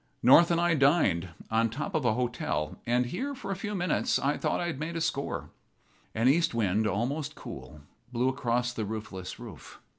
North and I dined on the top of a hotel; and here, for a few minutes, I thought I had made a score. An east wind, almost cool, blew across the roofless roof.